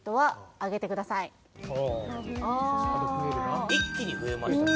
あ一気に増えましたね